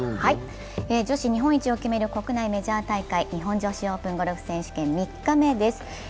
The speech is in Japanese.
女子日本一を決める国内メジャー大会日本女子オープンゴルフ選手権３日目です。